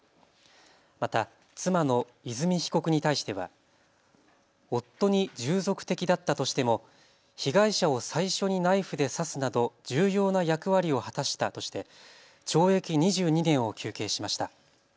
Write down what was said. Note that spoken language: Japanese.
また妻の和美被告に対しては夫に従属的だったとしても被害者を最初にナイフで刺すなど重要な役割を果たしたとして懲役２２年を求刑しました。